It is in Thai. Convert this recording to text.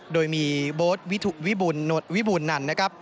โดยมีโบสถ์วิบุลนดวิบุลนั่น